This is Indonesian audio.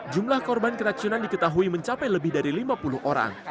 jumlah korban keracunan diketahui mencapai lebih dari lima puluh orang